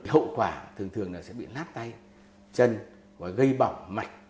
hậu quả thường thường là sẽ bị lát tay chân và gây bỏng mạch